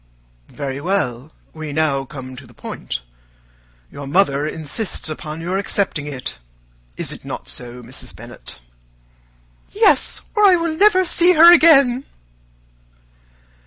"Very well. We now come to the point. Your mother insists upon your accepting it. Is it not so, Mrs. Bennet?" "Yes, or I will never see her again."